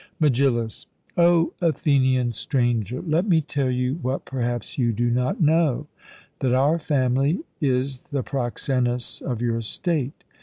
MEGILLUS: O Athenian Stranger, let me tell you what perhaps you do not know, that our family is the proxenus of your state.